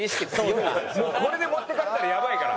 もうこれで持っていかれたらやばいから。